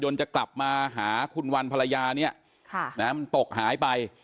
จะกลับมาหาคุณวันภรรยาเนี่ยมันตกหายไป